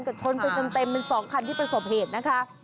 ก็ชนไปเต็มเป็น๒คันที่ประสบเหตุนะคะ